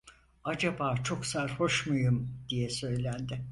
"Acaba çok sarhoş muyum?" diye söylendi.